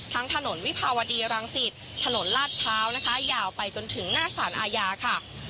ทั้งถนนวิพาวดีรังสิทธิ์ถนนลาดพร้าวนะคะยาวไปจนถึงหน้าศรรภ์อาญาค่ะ